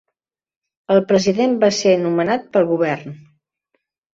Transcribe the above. El president va ser nomenat pel govern.